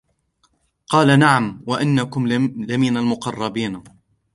قَالَ نَعَمْ وَإِنَّكُمْ لَمِنَ الْمُقَرَّبِينَ